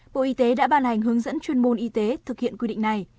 bộ y tế đã ban hành hướng dẫn chuyên môn y tế thực hiện quy định này